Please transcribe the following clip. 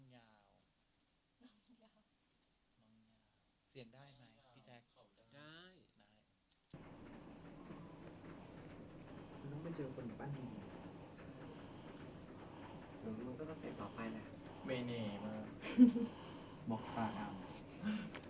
น้องมาเจอคนอื่นป่ะนี่น้องน้องก็ต้องเตะต่อไปนะไม่เน่มากบอกค่ะเอา